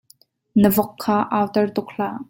Na vok kha au ter tuk hlah.